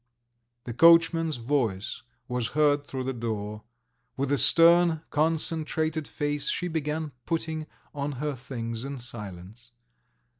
The coachman's voice was heard through the door. With a stern, concentrated face she began putting on her things in silence.